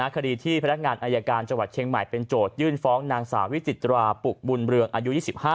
คดีที่พนักงานอายการจังหวัดเชียงใหม่เป็นโจทยื่นฟ้องนางสาววิจิตราปุกบุญเรืองอายุ๒๕